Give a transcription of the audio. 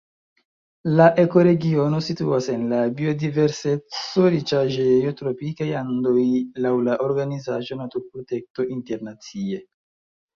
La ekoregiono situas en la biodiverseco-riĉaĵejo Tropikaj Andoj laŭ la organizaĵo Naturprotekto Internacie.